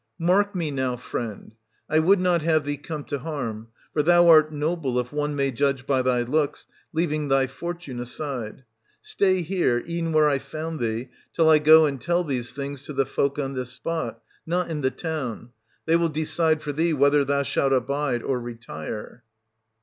Mark me now, friend — I would not have thee come to harm, — for thou art noble, if one may judge by thy looks, leaving thy fortune aside; — stay here, e'en where I found thee, till I go and tell these things to the folk on this spot, — not in the town : they will decide for 80 thee whether thou shalt abide or retire.